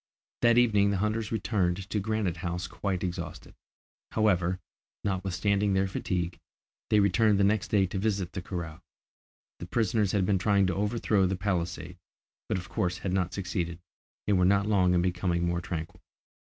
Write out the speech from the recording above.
That evening the hunters returned to Granite House quite exhausted. However, notwithstanding their fatigue, they returned the next day to visit the corral. The prisoners had been trying to overthrow the palisade, but of course had not succeeded, and were not long in becoming more tranquil.